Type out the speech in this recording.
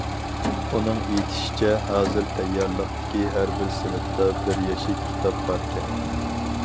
ئۇنىڭ ئېيتىشىچە، ھازىر تەييارلىقتىكى ھەر بىر سىنىپتا بىر يەشىك كىتاب باركەن.